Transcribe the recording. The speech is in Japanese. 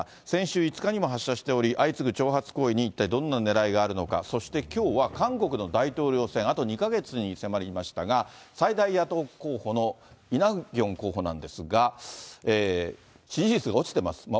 先週５日にも発射しており、相次ぐ挑発行為に一体どんなねらいがあるのか、そして、きょうは韓国の大統領選、あと２か月に迫りましたが、最大野党候補のイ・ナギョン候補なんですが、支持率が落ちてます。